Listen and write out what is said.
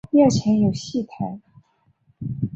庙前有戏台。